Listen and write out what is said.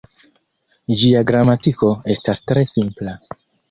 Ĝia gramatiko estas tre simpla.